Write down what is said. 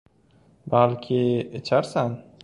Balki icharsan?